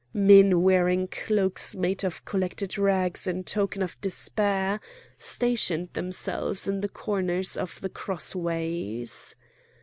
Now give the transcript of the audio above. Men wearing cloaks made of collected rags in token of despair, stationed themselves at the corners of the cross ways.